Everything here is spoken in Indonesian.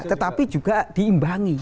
tetapi juga diimbangi